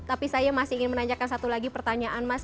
tapi saya masih ingin menanyakan satu lagi pertanyaan mas